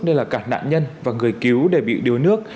nên là cả nạn nhân và người cứu để bị đuối nước